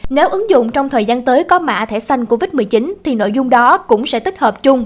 nếu ứng dụng trong thời gian tới có mã thẻ xanh covid một mươi chín thì nội dung đó cũng sẽ tích hợp chung